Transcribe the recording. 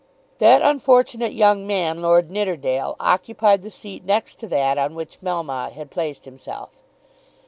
That unfortunate young man, Lord Nidderdale, occupied the seat next to that on which Melmotte had placed himself.